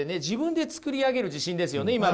自分で作り上げる自信ですよね？